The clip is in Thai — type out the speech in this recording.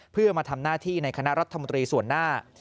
เพื่อมาทำหน้าที่ในคณะรัฐมนตรีส่วนหน้า